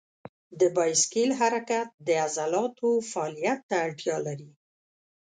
د بایسکل حرکت د عضلاتو فعالیت ته اړتیا لري.